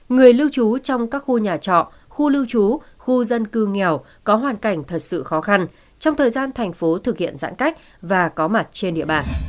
người lưu trú trong các khu nhà trọ khu lưu trú khu dân cư nghèo có hoàn cảnh thật sự khó khăn trong thời gian thành phố thực hiện giãn cách và có mặt trên địa bàn